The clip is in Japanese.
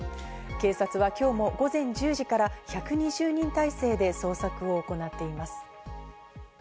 警察は今日も午前１０時から１２０人態勢で捜索を行っています。